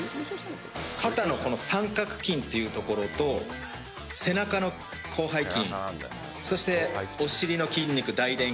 肩の三角筋というところと背中の広背筋そしてお尻の筋肉だいでん